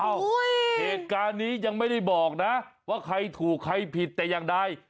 เหตุการณ์นี้ยังไม่ได้บอกนะว่าใครถูกใครผิดแต่อย่างใด